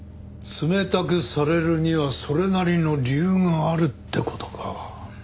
冷たくされるにはそれなりの理由があるって事か。